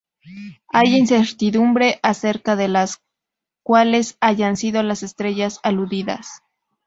Hay incertidumbre acerca de cuáles hayan sido las estrellas aludidas.